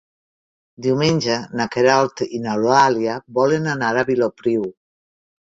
Diumenge na Queralt i n'Eulàlia volen anar a Vilopriu.